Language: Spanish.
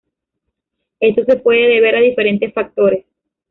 Esto se puede deber a diferentes factores.